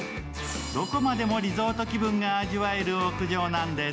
どこまでもリゾート気分が味わえる屋上なんです。